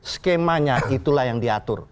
skemanya itulah yang diatur